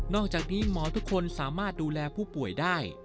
อกจากนี้หมอทุกคนสามารถดูแลผู้ป่วยได้